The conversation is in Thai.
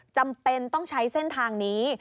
จำเป็นต้องใช้เส้นทางนี้